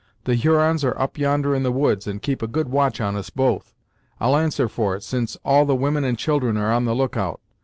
The Hurons are up yonder in the woods, and keep a good watch on us both, I'll answer for it, since all the women and children are on the look out.